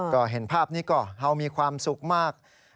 ก็เห็นภาพนี้ก็เฮามีความสุขมาก